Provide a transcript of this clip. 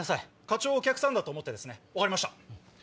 課長をお客さんだと思ってですね分かりました。